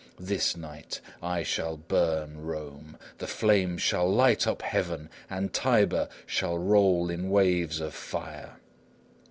This night I shall burn Rome. The flames shall light up heaven, and Tiber shall roll in waves of fire!